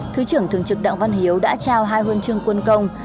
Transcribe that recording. thứ trưởng thường trực đặng văn hiếu đã trao hai huân chương quân công